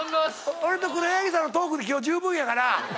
俺と黒柳さんのトークで今日十分やから。